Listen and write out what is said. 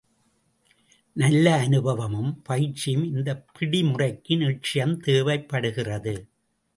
நல்ல அனுபவமும் பயிற்சியும் இந்த பிடி முறைக்கு நிச்சயம் தேவைப் படுகிறது.